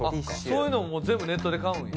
そういうのももう全部ネットで買うんや。